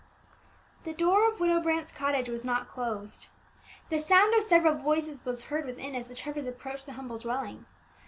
The door of Widow Brant's cottage was not closed. The sound of several voices was heard within as the Trevors approached the humble dwelling.